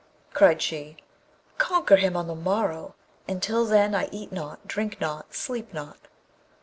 Cried she, 'Conquer him on the morrow, and till then I eat not, drink not, sleep not.'